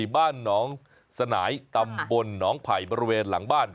บ้านหนองสนายตำบลหนองไผ่บริเวณหลังบ้าน